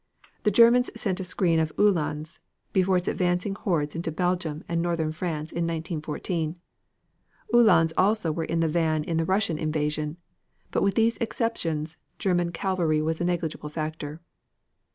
The Germans sent a screen of Uhlans before its advancing hordes into Belgium and Northern France in 1914. The Uhlans also were in the van in the Russian invasion, but with these exceptions, German cavalry was a negligible factor.